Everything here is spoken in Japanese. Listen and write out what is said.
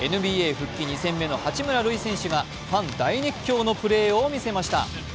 ＮＢＡ復帰２戦目の八村塁選手がファン大熱狂のプレーを見せました。